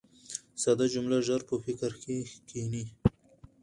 ساده جمله ژر په فکر کښي کښېني.